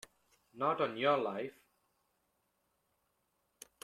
Not on your life!